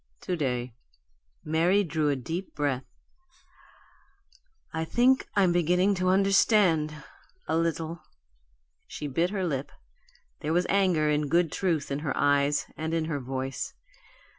"To day." Mary drew a deep breath. "I think I'm beginning to understand a little." She bit her lip; there was anger in good truth in her eyes and in her voice.